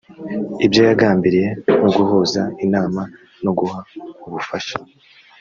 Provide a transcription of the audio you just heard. ibyo yagambiriye no guhuza inama no guha ubufasha